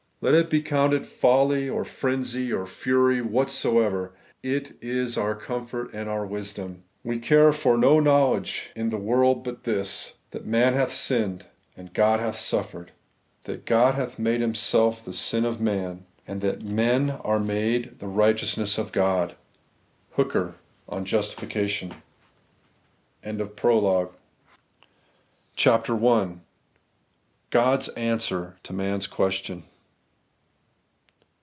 Let it be counted folly or frenzy or fiuy whatsoever, it is our comfort and our wisdom : we care for no knowledge in the world but this, that man hath sinned, and God hath suffered ; that God hath made Him self the sin of man, and that men are made the righteousness of God.' — HooKEU on Judt\fication. HOW SHALL MAN BE JUST WITH GOD ? CHAPTER I. god's answer to man's question.